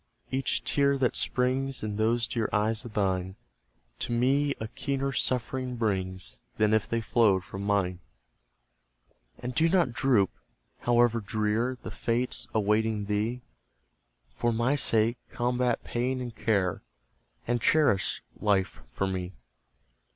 each tear that springs In those dear eyes of thine, To me a keener suffering brings Than if they flowed from mine. And do not droop! however drear The fate awaiting thee; For MY sake combat pain and care, And cherish life for me!